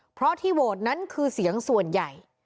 เพราะที่โหวตนั้นคือเสียงส่วนใหญ่